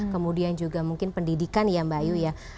kemudian juga mungkin pendidikan ya mbak ayu ya